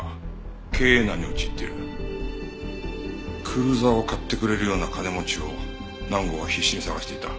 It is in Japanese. クルーザーを買ってくれるような金持ちを南郷は必死に探していた。